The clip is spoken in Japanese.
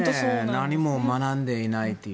何も学んでいないという。